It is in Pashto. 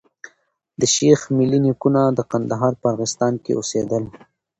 د شېخ ملي نيکونه د کندهار په ارغستان کي اوسېدل.